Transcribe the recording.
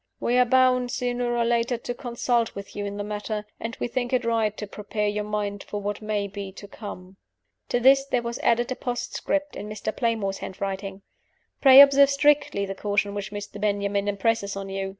We are bound, sooner or later, to consult with you in the matter; and we think it right to prepare your mind for what may be to come." To this there was added a postscript in Mr. Playmore's handwriting: "Pray observe strictly the caution which Mr. Benjamin impresses on you.